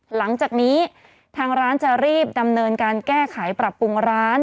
หลังจากนี้ทางร้านจะรีบดำเนินการแก้ไขปรับปรุงร้าน